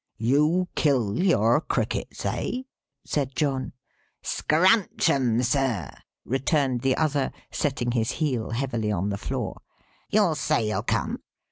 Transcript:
"You kill your Crickets, eh?" said John. "Scrunch 'em, sir," returned the other, setting his heel heavily on the floor. "You'll say you'll come?